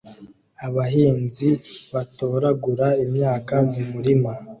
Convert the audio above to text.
Abahinzi batoragura imyaka mu murima